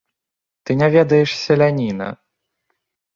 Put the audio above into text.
Ты не ведаеш селяніна.